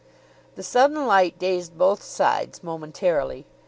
The sudden light dazed both sides momentarily.